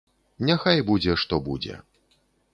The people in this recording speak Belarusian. Няхай будзе што будзе.